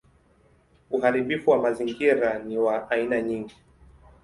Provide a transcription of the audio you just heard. Uharibifu wa mazingira ni wa aina nyingi.